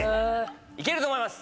いけると思います！